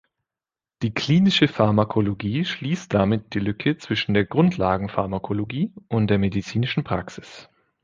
Die Klinische Pharmakologie schließt damit die Lücke zwischen der Grundlagen-Pharmakologie und der medizinischen Praxis.